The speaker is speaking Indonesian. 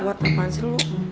kuat apaan sih lo